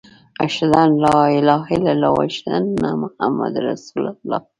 اشهد ان لا اله الا الله و اشهد ان محمد رسول الله.